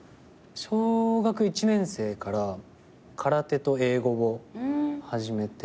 小学１年生から空手と英語を始めて。